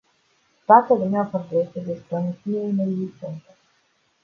Toată lumea vorbește despre o misiune inexistentă.